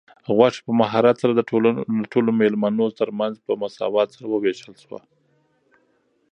غوښه په مهارت سره د ټولو مېلمنو تر منځ په مساوات سره وویشل شوه.